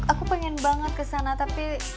aku pengen banget kesana tapi